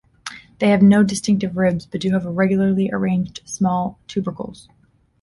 They have no distinctive ribs, but do have regularly arranged small tubercles.